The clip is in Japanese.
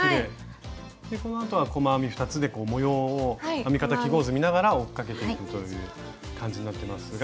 このあとは細編み２つで模様を編み方記号図見ながら追っかけていくという感じになってますが。